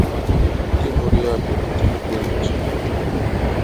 Ndị mụrụ ya bụ ndị Igbo Naijiria.